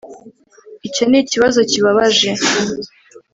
icyo nikibazo kibabaje